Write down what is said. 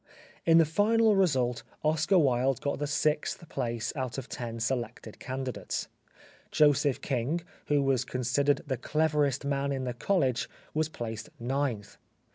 In the final result Oscar Wilde got the sixth place out of ten selected candidates. Joseph King, who was considered the cleverest man in the college was placed ninth.